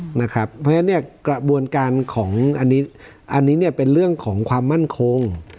เพราะฉะนั้นเนี่ยกระบวนการของอันนี้อันนี้เนี่ยเป็นเรื่องของความมั่นคง